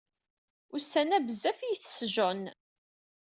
Ussan-a bezzaf i itess John.